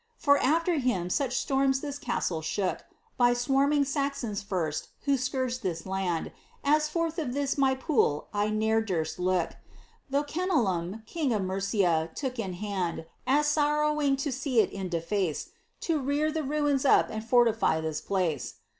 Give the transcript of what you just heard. For after him such storms this castle shook, By swarming Saxons first who scourged this land, As forth of this my Pool I ne'er durst look, Though Eenelm,' king of Mercia, took in hand, As sorrowing to see it in deface, To rear the ruins up and fortify this place.